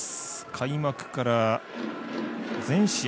開幕から全試合